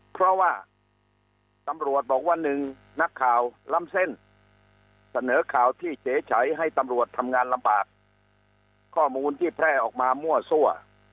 เพราะว่าตำรวจบอกว่าหนึ่งนักข่าวล้ำเส้นเสนอข่าวที่เฉยให้ตำรวจทำงานลำบากข้อมูลที่แพร่ออกมามั่วซั่ว